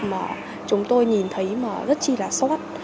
mà chúng tôi nhìn thấy mà rất chi là xót